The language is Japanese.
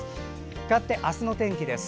かわって、明日の天気です。